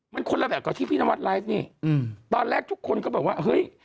มันคนละแบบกับที่พี่นวัดไลฟ์นี่อืมตอนแรกทุกคนก็บอกว่าเฮ้ย